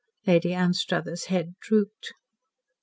Lady Anstruthers' head dropped.